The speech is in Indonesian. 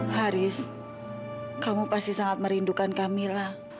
haris kamu pasti sangat merindukan kamila